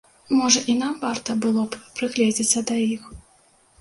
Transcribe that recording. Можа, і нам варта было б прыгледзіцца да іх?